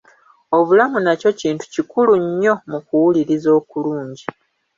Obulamu nakyo kintu kikulu nnyo mu kuwuliriza okulungi.